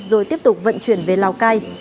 rồi tiếp tục vận chuyển về lào cai